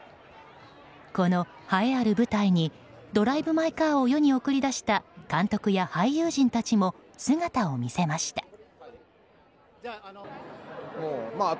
この栄えある舞台に「ドライブ・マイ・カー」を世に送り出した監督や俳優陣たちも姿を見せました。